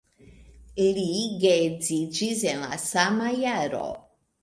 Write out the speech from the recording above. Li geedziĝis en la sama jaro.